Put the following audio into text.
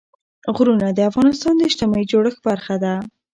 غرونه د افغانستان د اجتماعي جوړښت برخه ده.